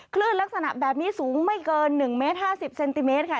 คลื่นลักษณะแบบนี้สูงไม่เกิน๑เมตร๕๐เซนติเมตรค่ะ